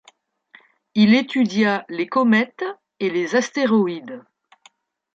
Il étudia les comètes et les astéroïdes.